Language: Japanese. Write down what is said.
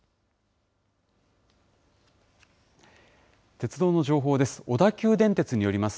鉄道の情報です。